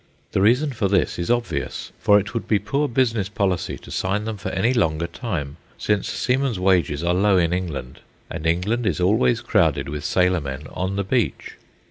The reason for this is obvious; for it would be poor business policy to sign them for any longer time, since seamen's wages are low in England, and England is always crowded with sailormen on the beach.